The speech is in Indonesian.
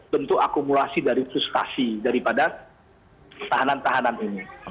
bentuk akumulasi dari frustasi daripada tahanan tahanan ini